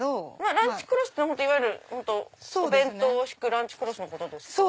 ランチクロスってお弁当に敷くランチクロスのことですか？